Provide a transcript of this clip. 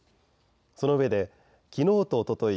そのうえで、きのうとおととい